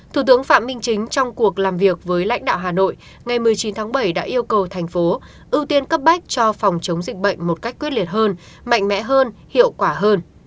thủ tướng phạm minh chính trong cuộc làm việc với lãnh đạo hà nội ngày một mươi chín tháng bảy đã yêu cầu thành phố ưu tiên cấp bách cho phòng chống dịch bệnh một cách quyết liệt hơn mạnh mẽ hơn hiệu quả hơn